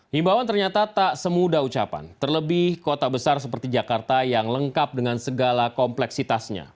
himbawan ternyata tak semudah ucapan terlebih kota besar seperti jakarta yang lengkap dengan segala kompleksitasnya